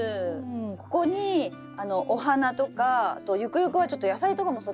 ここにお花とかあとゆくゆくはちょっと野菜とかも育ててみたいなと思って。